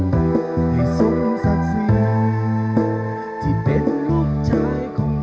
ให้สมศักดิ์สีที่เป็นลูกชายของพ่อ